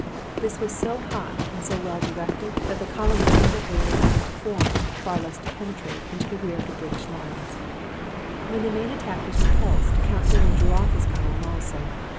This was so hot and so well directed that the column was never able even to form, far less to penetrate into the rear of the British lines. When the main attack was repulsed Count Dillon drew off his column, also.